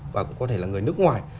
và cũng có thể là người nước ngoài